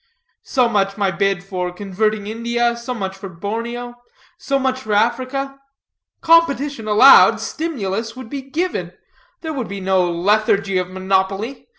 So much by bid for converting India, so much for Borneo, so much for Africa. Competition allowed, stimulus would be given. There would be no lethargy of monopoly.